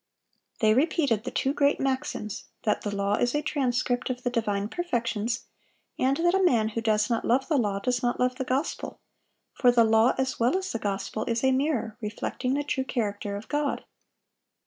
They repeated the two great maxims, that the law is a transcript of the divine perfections, and that a man who does not love the law does not love the gospel; for the law, as well as the gospel, is a mirror reflecting the true character of God.